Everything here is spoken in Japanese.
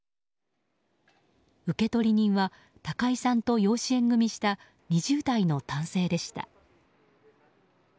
受取人は高井さんと養子縁組した２０代の男性でした。